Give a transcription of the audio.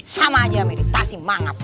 sama aja meditasi mangap